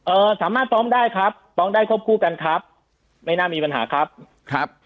สามารถฟ้องได้ครับฟ้องได้ควบคู่กันครับไม่น่ามีปัญหาครับครับ